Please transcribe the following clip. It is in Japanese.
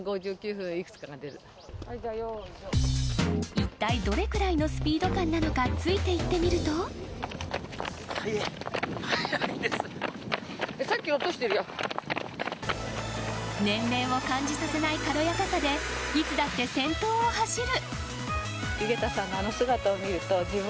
いったいどれくらいのスピード感なのか年齢を感じさせない軽やかさでいつだって先頭を走る。